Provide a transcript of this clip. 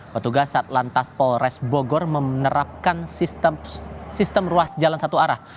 petugas satlantas polres bogor menerapkan sistem ruas jalan satu arah